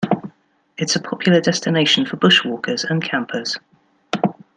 It is a popular destination for bushwalkers and campers.